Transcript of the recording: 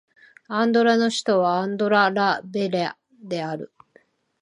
アンドラの首都はアンドラ・ラ・ベリャである